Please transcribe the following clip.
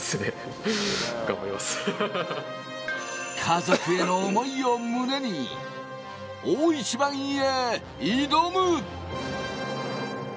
家族への思いを胸に大一番へ挑む。